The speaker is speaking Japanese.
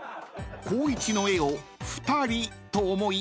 ［光一の絵を「２人」と思い